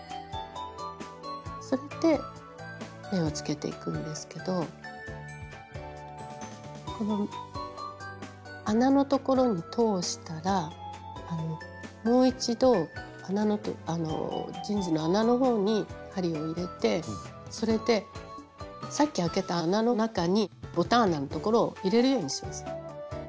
それで目をつけていくんですけどこの穴のところに通したらもう一度ジーンズの穴のほうに針を入れてそれでさっきあけた穴の中にボタン穴のところを入れるようにします。